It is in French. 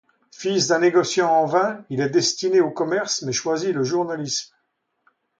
Fils d'un négociant en vins, il est destiné au commerce mais choisit le journalisme.